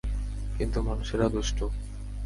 কিন্তু মানুষেরা দুষ্টু!